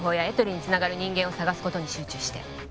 エトリにつながる人間を捜すことに集中して